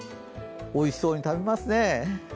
おいしそうに食べますね。